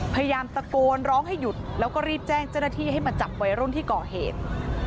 พยายามตะโกนร้องให้หยุดแล้วก็รีบแจ้งเจ้าหน้าที่ให้มาจับวัยรุ่นที่ก่อเหตุ